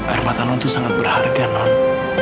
air mata lo tuh sangat berharga nong